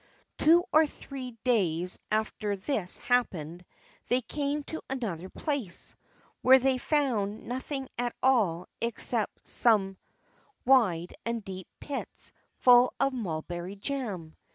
Two or three days after this had happened they came to another place, where they found nothing at all except some wide and deep pits full of mulberry jam.